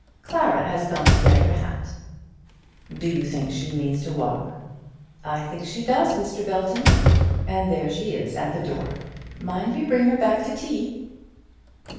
Clara has gone to get her hat." "Do you think she means to walk?" "I think she does, Mr. Belton. And there she is at the door. Mind you bring her back to tea."